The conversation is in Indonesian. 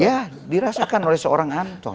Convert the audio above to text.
ya dirasakan oleh seorang anton